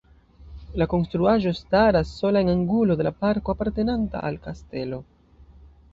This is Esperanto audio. La konstruaĵo staras sola en angulo de la parko apartenanta al kastelo.